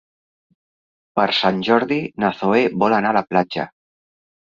Per Sant Jordi na Zoè vol anar a la platja.